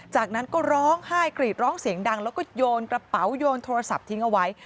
จากนั้นก็ร้องไห้กรีดร้องเสียงดังแล้วก็โยนกระเป๋าโยนโทรศัพท์ทิ้งเอาไว้